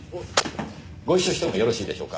ご一緒してもよろしいでしょうか。